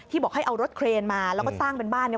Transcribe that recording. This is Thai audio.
ที่บอกให้เอารถเครนมาแล้วก็สร้างเป็นบ้าน